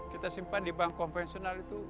kita simpan di bank konvensional itu